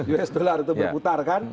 usd itu berputar kan